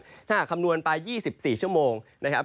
ถ้าหากคำนวณไป๒๔ชั่วโมงนะครับ